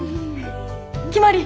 決まり！